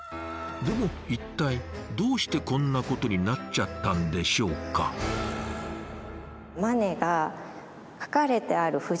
でも一体どうしてこんなことになっちゃったんでしょうか？といわれています。